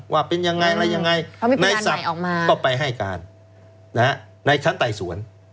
ว่าเป็นยังไงอะไรยังไงในศัพท์ก็ไปให้การในชั้นไต่สวน